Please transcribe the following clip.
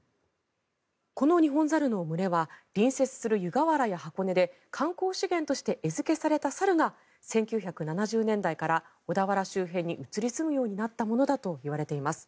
このニホンザルの群れは隣接する湯河原や箱根で観光資源として餌付けされた猿が１９７０年代から小田原周辺に移りすむようになったものだといわれています。